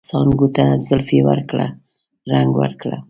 څانګو ته زلفې ورکړه ، رنګ ورکړه